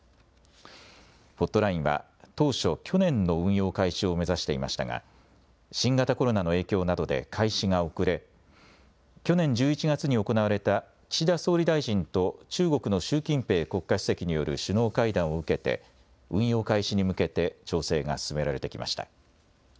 ホットラインは当初、去年の運用開始を目指していましたが新型コロナの影響などで開始が遅れ去年１１月に行われた岸田総理大臣と中国の習近平国家主席による首脳会談を受けて運用開始に向けて調整が進められてきました。